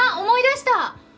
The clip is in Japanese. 思い出した！